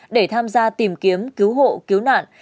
để tham gia tìm kiếm cứu hộ cứu nạn